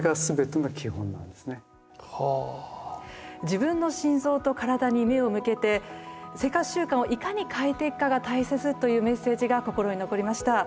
自分の心臓と身体に目を向けて生活習慣をいかに変えていくかが大切というメッセージが心に残りました。